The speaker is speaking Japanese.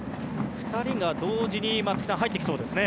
２人が同時に松木さん入ってきそうですね。